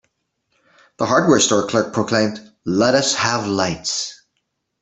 The hardware store clerk proclaimed, "Let us have lights!"